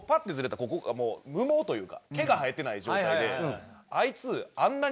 ここは無毛というか毛が生えてない状態で。